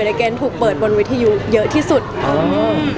แต่จริงแล้วเขาก็ไม่ได้กลิ่นกันว่าถ้าเราจะมีเพลงไทยก็ได้